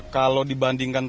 kalau dibandingkan gambar